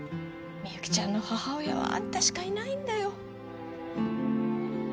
みゆきちゃんの母親はあんたしかいないんだよ